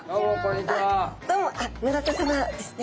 どうも村田さまですね？